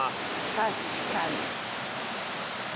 確かに。